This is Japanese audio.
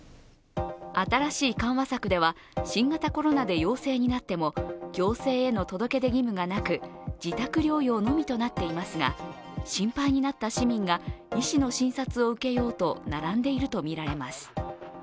新しい緩和策では新型コロナで陽性になっても行政への届け出義務がなく自宅療養のみとなっていますが心配になった市民が医師の診察を受けようと並んでいるとみられます。